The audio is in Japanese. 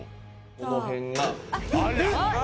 この辺が。